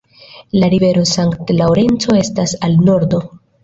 La rivero Sankt-Laŭrenco estas al nordo.